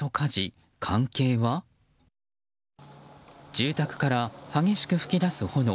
住宅から激しく噴き出す炎。